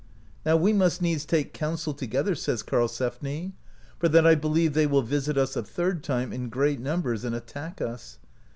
'*Now w^e must needs take counsel together/' says Karlsefni, "for that I believe they will visit us a third time, in great numbers, and attack us.